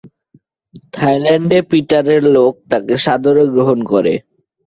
থাইল্যান্ডে পিটারের লোক তাকে সাদরে গ্রহণ করে।